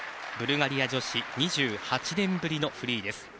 ブルガリア女子２８年ぶりのフリーです。